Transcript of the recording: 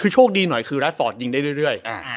ช่วงดีหน่อยคือแรทฟอร์ตยิงได้เรื่อย